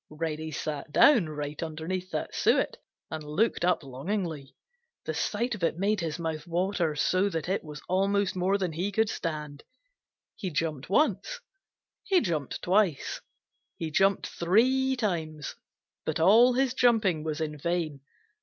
Reddy sat down right underneath that suet and looked up longingly. The sight of it made his mouth water so that it was almost more than he could stand. He jumped once. He jumped twice. He jumped three times. But all his jumping was in vain.